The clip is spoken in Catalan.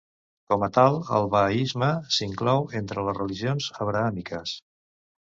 Com a tal, el bahaisme s'inclou entre les religions abrahàmiques.